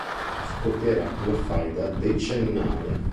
Scoppierà una faida decennale.